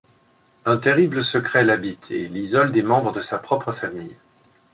Un terrible secret l'habite, et l'isole des membres de sa propre famille.